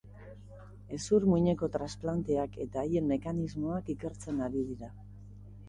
Hezur-muineko transplanteak eta haien mekanismoak ikertzen ari dira.